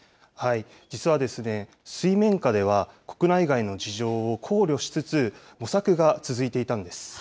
実は、水面下では、国内外の事情を考慮しつつ、模索が続いていたんです。